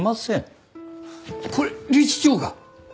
これ理事長が？